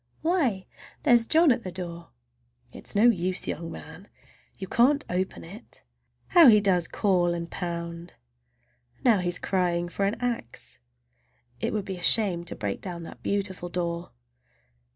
Why, there's John at the door! It is no use, young man, you can't open it! How he does call and pound! Now he's crying for an axe. It would be a shame to break down that beautiful door!